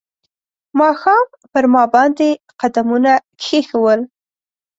ماښام پر ما باندې قدمونه کښېښول